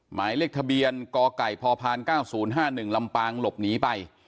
หมายเลขทะเบียนกไก่พพ๙๐๕๑ลำปางหลบหนีไป